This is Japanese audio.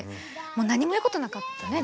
もう何も言うことなかったね